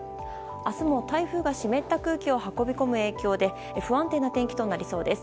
明日も台風が湿った空気を運び込む影響で不安定な天気となりそうです。